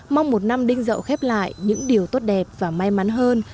mong một năm đinh dậu khép lại những điều tốt đẹp và may mắn hơn